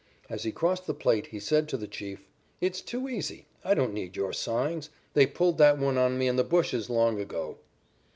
As he crossed the plate, he said to the "Chief": "It's too easy. I don't need your signs. They pulled that one on me in the bushes long ago."